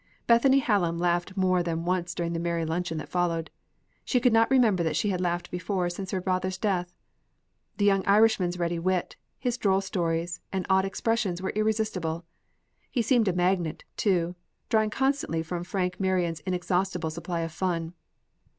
Bethany Hallam laughed more than once during the merry luncheon that followed. She could not remember that she had laughed before since her father's death. The young Irishman's ready wit, his droll stories, and odd expressions were irresistible. He seemed a magnet, too, drawing constantly from Frank Marion's inexhaustible supply of fun.